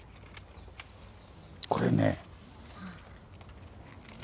これね。